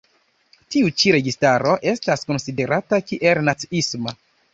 Tiu ĉi registaro estas konsiderata kiel naciisma.